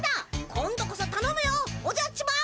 今度こそたのむよおじゃっちマン！